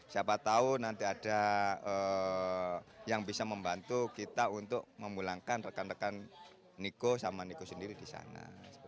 siapa tahu nanti ada yang bisa membantu kita untuk memulangkan rekan rekan niko sama niko sendiri di sana